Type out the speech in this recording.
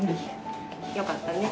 よかったね。